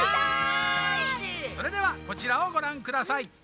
それではこちらをごらんください。